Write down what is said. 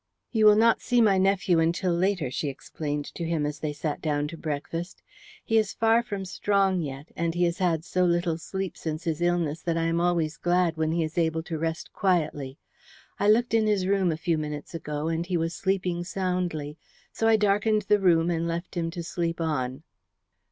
"You will not see my nephew until later," she explained to him as they sat down to breakfast. "He is far from strong yet, and he has had so little sleep since his illness that I am always glad when he is able to rest quietly. I looked in his room a few minutes ago and he was sleeping soundly, so I darkened the room and left him to sleep on."